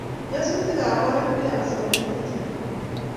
Nyasutikab oret koyayaksei konyil che chang